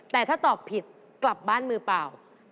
แต่ถ้าตอบผิดกลับบ้านมือเปล่า